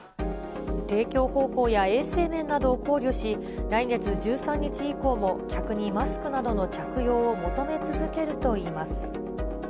提供方法や衛生面などを考慮し、来月１３日以降も客にマスクなどの着用を求め続けるといいます。